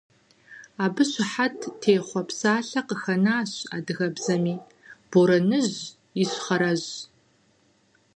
Абы щыхьэт техъуэ псалъэ къыхэнащ адыгэбзэми – «борэныжь», ищхъэрэжь.